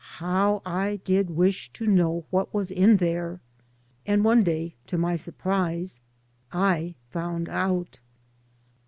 How I did wish to know what was in there I And one day to my surprise I found out.